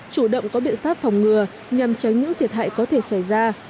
chủ động có biện pháp phòng ngừa nhằm tránh những thiệt hại có thể xảy ra